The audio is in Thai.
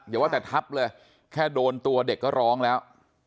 อย่าว่าแต่ทับเลยแค่โดนตัวเด็กก็ร้องแล้ว